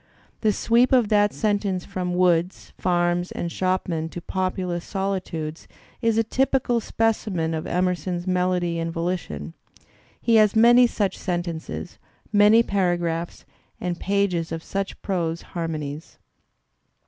The sweep of that sen tence from woods, farms and shopmen to populous solitudes, is a typical specimen of Emerson's melody and volitation. He has many such sentences, many paragraphs and pages of such prose harmonies.